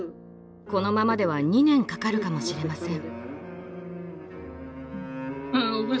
このままでは２年かかるかもしれません。